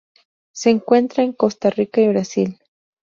Se encuentra en Costa Rica y Brasil.